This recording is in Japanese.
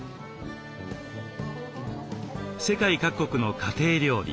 世界各国の家庭料理。